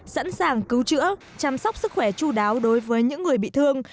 sẵn sàng cứu chữa chăm sóc sức khỏe chú đáo đối với những người bị thương